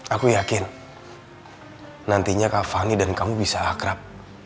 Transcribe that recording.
aku yakin nantinya kak fani dan kamu bisa akrab